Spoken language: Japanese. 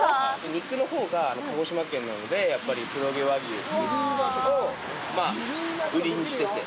肉のほうが、鹿児島県なのでやっぱり黒毛和牛を売りにしてて。